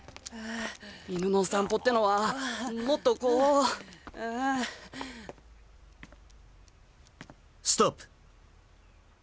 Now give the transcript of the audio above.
犬の散歩ってのはもっとこうストップ。